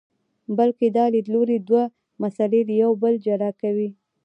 بلکې دا لیدلوری دوه مسئلې له یو بل جلا کوي.